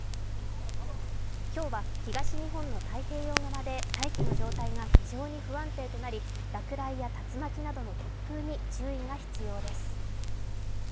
今日は東日本の太平洋側で大気の状態が非常に不安定となり落雷や竜巻などの突風に注意が必要です。